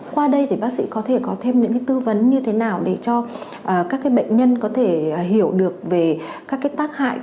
qua đây thì bác sĩ có thể có thêm những tư vấn như thế nào để cho các bệnh nhân có thể hiểu được về các tác hại